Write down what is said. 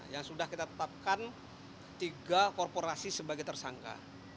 yang sudah kita tetapkan tiga korporasi sebagai tersangka